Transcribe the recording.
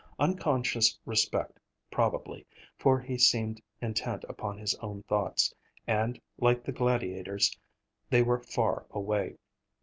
Unconscious respect, probably, for he seemed intent upon his own thoughts, and, like the Gladiator's, they were far away.